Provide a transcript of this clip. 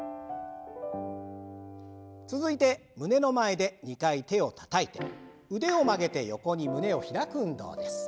続いて胸の前で２回手をたたいて腕を曲げて横に胸を開く運動です。